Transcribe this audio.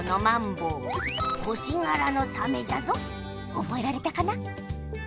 おぼえられたかな？